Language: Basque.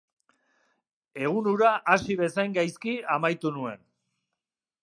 Egun hura hasi bezain gaizki amaitu nuen.